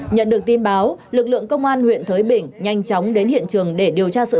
nhận được tin báo lực lượng công an huyện thới bình nhanh chóng đến hiện trường để điều tra sự cố